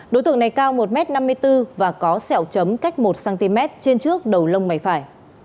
đối tượng này cao một m năm mươi bốn và có sẹo chấm cách một cm trên trước đầu lông mày phải